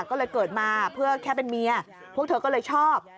ก็เลยเกิดมาเพื่อแค่เป็นเมียพวกเธอก็เลยชอบ